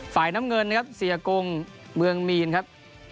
ฝ่ายน้ำเงินนะครับเสียกงเมืองมีนครับ